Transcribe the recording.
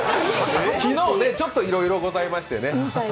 昨日ね、ちょっといろいろございまして。